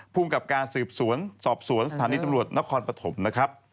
ภูมิกับการสืบสวนสอบสวนสถานีตำรวจนครปฐมนะครับ